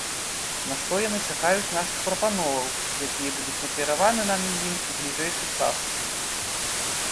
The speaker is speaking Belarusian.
На што яны чакаюць нашых прапановаў, якія будуць накіраваны намі ім у бліжэйшы час.